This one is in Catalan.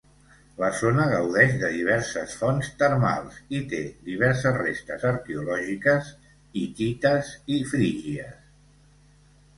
La zona gaudeix de diverses fonts termals, i té diverses restes arqueològiques hitites i frígies.